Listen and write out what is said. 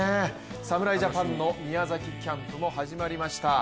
侍ジャパンの宮崎キャンプも始まりました。